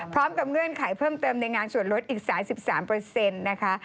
เงื่อนไขเพิ่มเติมในงานส่วนลดอีก๓๓นะคะ